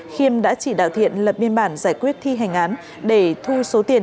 khiêm đã chỉ đạo thiện lập biên bản giải quyết thi hành án để thu số tiền